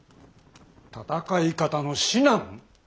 戦い方の指南？